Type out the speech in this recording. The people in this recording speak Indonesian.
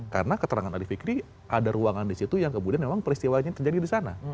karena keterangan dari fikri ada ruangan disitu yang kemudian memang peristiwanya terjadi disana